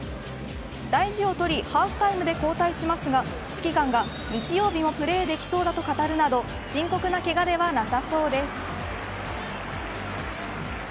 大事を取りハーフタイムで交代しますが指揮官が日曜日もプレーできそうだと語るなど深刻なけがではなさそうです。